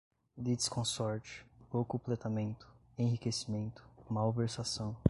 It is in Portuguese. litisconsorte, locupletamento, enriquecimento, malversação